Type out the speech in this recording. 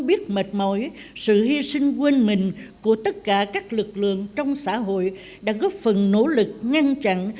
biết mệt mỏi sự hy sinh quên mình của tất cả các lực lượng trong xã hội đã góp phần nỗ lực ngăn chặn